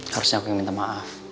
harusnya aku yang minta maaf